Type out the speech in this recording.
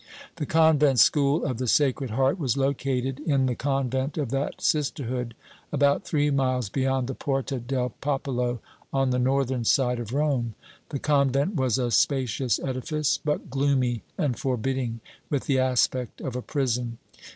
The convent school of the Sacred Heart was located in the convent of that Sisterhood, about three miles beyond the Porta del Popolo on the northern side of Rome. The convent was a spacious edifice, but gloomy and forbidding, with the aspect of a prison.